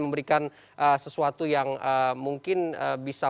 memberikan sesuatu yang mungkin bisa